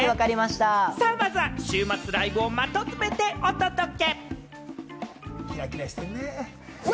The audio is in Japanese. まずは週末ライブをまとめてお届け。